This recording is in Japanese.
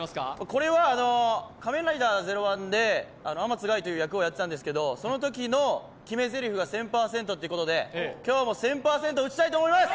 これは「仮面ライダーゼロワン」で天津垓という役をやっていたんですけれどもそのときの決めぜりふが１０００％ということで今日も１０００％打ちたいと思います！